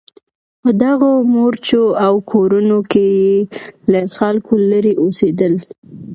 په دغو مورچو او کورونو کې یې له خلکو لرې اوسېدل.